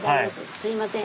すいません。